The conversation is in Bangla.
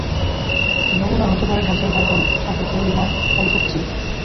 নমুনা হতে পারে গাছের বাকল, শাখা, ফুল বা ফল সবকিছুই।